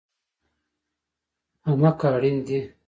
امه که اړين دي